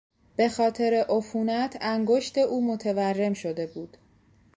به خاطر عفونت انگشت او متورم شده بود.